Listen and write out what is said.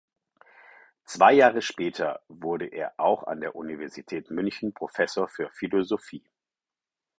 Zwei Jahre später wurde er auch an der Universität München Professor für Philosophie.